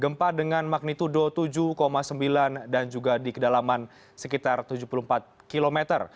gempa dengan magnitudo tujuh sembilan dan juga di kedalaman sekitar tujuh puluh empat km